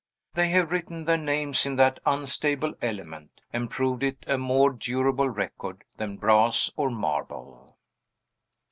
They have written their names in that unstable element, and proved it a more durable record than brass or marble.